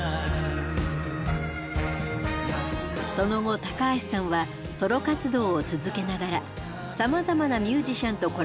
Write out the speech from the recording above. その後高橋さんはソロ活動を続けながらさまざまなミュージシャンとコラボレーションしていきます。